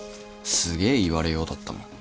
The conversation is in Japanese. すげえ言われようだったもん。